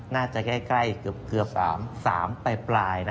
น่าจะใกล้เกือบ๓ปลายนะ